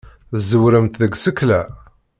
Tẓewremt deg tsekla.